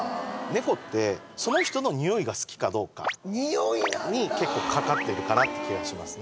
猫ってその人のにおいが好きかどうかに結構かかってるかなって気がします